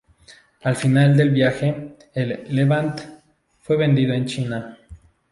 Al final del viaje, el "Levant" fue vendido en China.